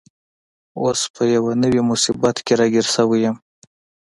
اوس په یوه نوي مصیبت کي راګیر شوی یم.